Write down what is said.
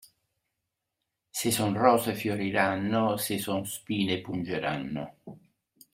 Se son rose fioriranno, se son spine pungeranno.